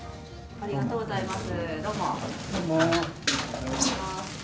ありがとうございます。